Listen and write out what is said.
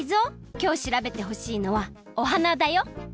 きょう調べてほしいのはお花だよ！